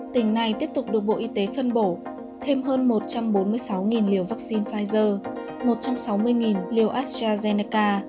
tỉnh này tiếp tục được bộ y tế phân bổ thêm hơn một trăm bốn mươi sáu liều vaccine pfizer một trăm sáu mươi liều astrazeneca